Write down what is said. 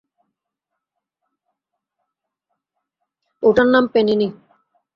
ওটার নাম প্যানিনি।